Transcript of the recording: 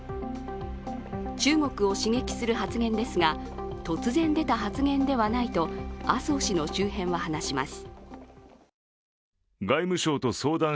中国を刺激する発言ですが、突然出た発言ではないと麻生氏の周辺は話します。